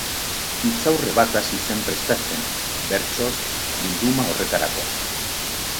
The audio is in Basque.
Hitzaurre bat hasi zen prestatzen, bertsoz, bilduma horretarako.